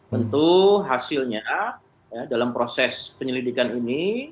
tentu hasilnya dalam proses penyelidikan ini